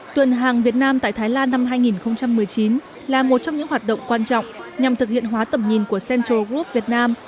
tuần hàng việt nam tại thái lan năm hai nghìn một mươi chín là một trong những hoạt động quan trọng nhằm thực hiện hóa tầm nhìn của central group việt nam